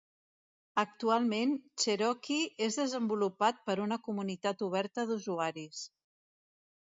Actualment Cherokee és desenvolupat per una comunitat oberta d'usuaris.